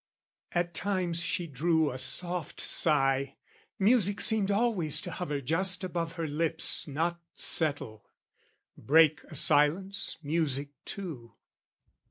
At times she drew a soft sigh music seemed Always to hover just above her lips Not settle, break a silence music too.